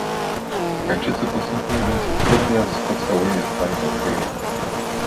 Afgańczycy postępują więc zgodnie z podstawowymi zasadami wolnego rynku